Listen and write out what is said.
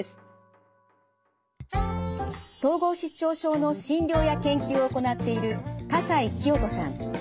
統合失調症の診療や研究を行っている笠井清登さん。